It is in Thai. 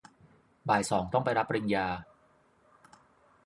บ่ายสองต้องไปรับปริญญา